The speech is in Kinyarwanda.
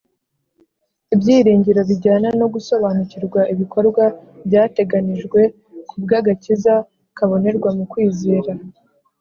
Ibyiringiro bijyana no gusobanukirwa ibikorwa byateganijwe ku bw’ agakiza kabonerwa mu kwizera